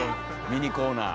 ミニコーナー。